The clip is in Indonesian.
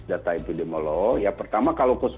data epidemiolog ya pertama kalau